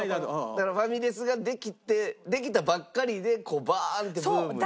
だからファミレスができてできたばっかりでこうバーンってブームで。